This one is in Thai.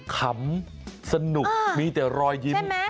ขำสนุกมีแต่รอยยิ้ม